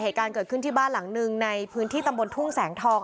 เหตุการณ์เกิดขึ้นที่บ้านหลังหนึ่งในพื้นที่ตำบลทุ่งแสงทอง